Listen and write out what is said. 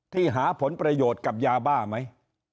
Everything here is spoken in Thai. หาผลประโยชน์กับยาบ้าไหม